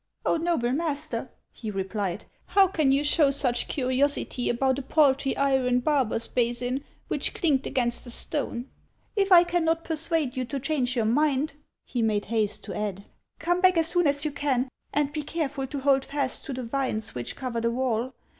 " Oh, noble master," he replied, " how can you show such curiosity about a paltry iron barber's basin, which clinked against a stone ? If I cannot persuade you to change your mind," he made haste to add, " come back as soon as you can, and be careful to hold fast to the vines which cover the wall.